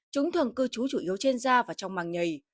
chúng thường cư trú chủ yếu trên da và trong màng nhảy